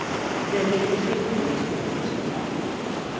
Then he threw them into the water carrier.